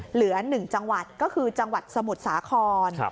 เหลือ๑จังหวัดก็คือจังหวัดสมุทรสาคร